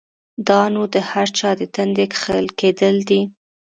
دا نو د هر چا د تندي کښل کېدل دی؛